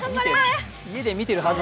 家で見てるはず。